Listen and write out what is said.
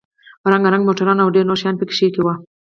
رنگ رنگ موټران او ډېر نور شيان پکښې وو.